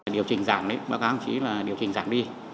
điều chỉnh giảm báo cáo ông chí là điều chỉnh giảm đi